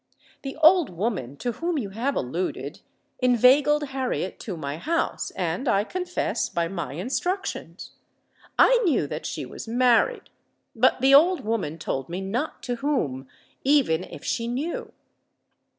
The old woman to whom you have alluded, inveigled Harriet to my house—and, I confess, by my instructions. I knew that she was married; but the old woman told me not to whom—even if she knew."